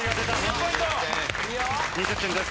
２０点です。